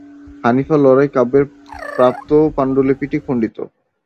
হানিফার লড়াই কাব্যের প্রাপ্ত পান্ডুলিপিটি খন্ডিত।